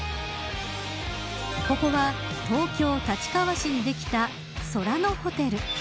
ここは、東京立川市にできたソラノホテル。